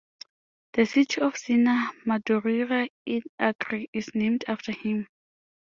The city of Sena Madureira in Acre is named after him.